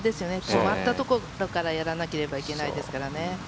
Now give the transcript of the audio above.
止まったところからやらなければいけないですからね。